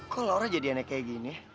kok laura jadi aneh kayak gini ya